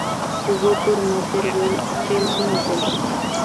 Jugó por Motherwell, Chelsea, y Celtic.